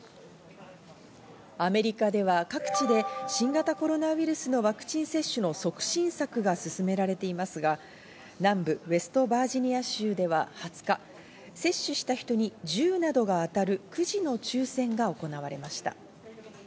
アメリカでは各地で新型コロナウイルスとワクチン接種の促進策が進められていますが、南部ウェストバージニア州では２０日、接種した人に銃などが当たるくじの抽選が行われました。